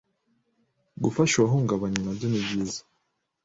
Gufasha uwahungabanye nabyo nibyiza